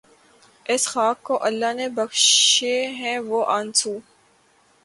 اس خاک کو اللہ نے بخشے ہیں وہ آنسو